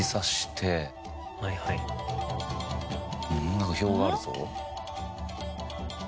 なんか表があるぞ。